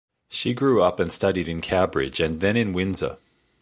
She grew up and studied in Cowbridge and then in Windsor.